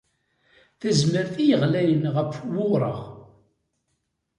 Tazmert i yeɣlayen ɣef wuṛeɣ.